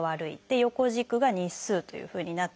横軸が「日数」というふうになっていますけれども。